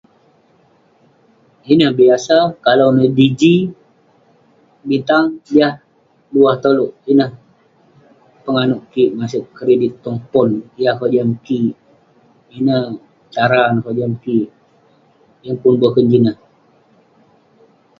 Ineh biasa, kalau neh digi butang jah duah tolouk pongah..pongah nouk kik, masek kredit tong pon..yah kojam kik..ineh cara neh kojam kik..yeng pun boken jin ineh ..